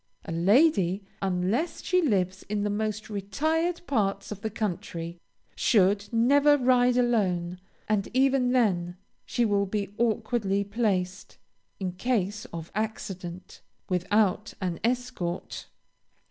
A lady, unless she lives in the most retired parts of the country, should never ride alone, and even then she will be awkwardly placed, in case of accident, without an escort.